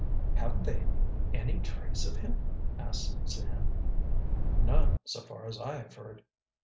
"Haven't they any trace of him?" asked Sam. "None, so far as I have heard.